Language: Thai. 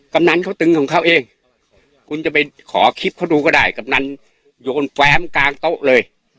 ำนันเขาตึงของเขาเองคุณจะไปขอคลิปเขาดูก็ได้กำนันโยนแฟ้มกลางโต๊ะเลย